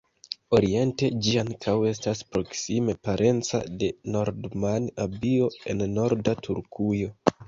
Oriente ĝi ankaŭ estas proksime parenca de Nordman-abio el norda Turkujo.